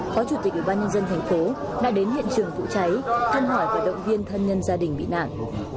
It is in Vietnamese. phó chủ tịch ủy ban nhân dân tp đã đến hiện trường vụ cháy thân hỏi và động viên thân nhân gia đình bị nạn